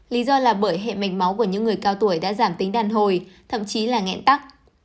lý do là bởi hệ mạch máu của những người cao tuổi đã giảm tính đàn hồi thậm chí là nghẽn tắc